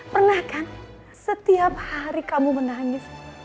pernah kan setiap hari kamu menangis